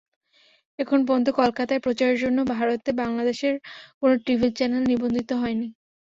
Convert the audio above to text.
এখন পর্যন্ত কলকাতায় প্রচারের জন্য ভারতে বাংলাদেশের কোনো টিভি চ্যানেল নিবন্ধিত হয়নি।